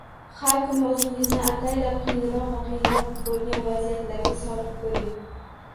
Har kuni o’zingizni ataylab qiyinroq va qiyinroq bo’lgan vaziyatlarga solib ko’ring